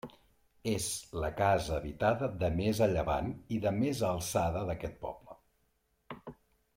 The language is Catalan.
És la casa habitada de més a llevant i de més alçada d'aquest poble.